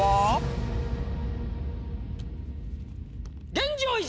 現状維持！